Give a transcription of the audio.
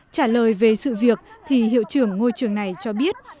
trả lời về sự việc thì hiệu trưởng ngôi trường này cho biết